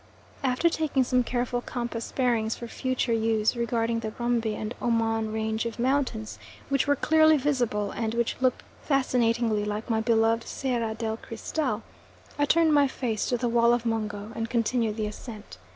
After taking some careful compass bearings for future use regarding the Rumby and Omon range of mountains, which were clearly visible and which look fascinatingly like my beloved Sierra del Cristal, I turned my face to the wall of Mungo, and continued the ascent.